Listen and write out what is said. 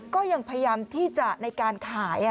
ก็ยังพยายามที่จะในการขาย